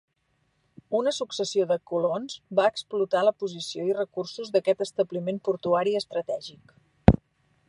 Una successió de colons va explotar la posició i recursos d'aquest establiment portuari estratègic.